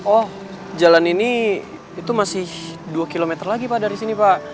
oh jalan ini itu masih dua km lagi pak dari sini pak